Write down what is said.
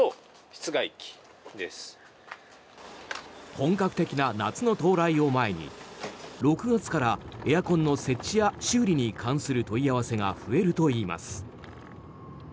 本格的な夏の到来を前に６月からエアコンの設置や修理に関する問い合わせが増えるといいます。